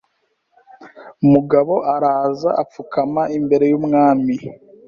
Mugabo araza apfukama imbere y' umwami